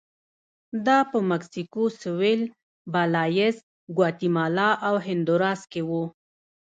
دا په مکسیکو سوېل، بلایز، ګواتیمالا او هندوراس کې و